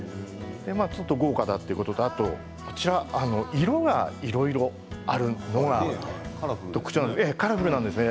ちょっと豪華だということと色がいろいろあるというのがカラフルですね。